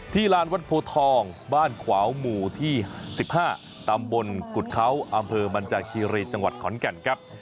ที่ลานวันโพธองบ้านขวาวหมู่ที่สิบห้าตามบนกุฏเขาอำเภอบรรจาคีรีจังหวัดขอนกันครับ